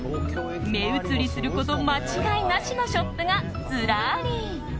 目移りすること間違いなしのショップがずらり。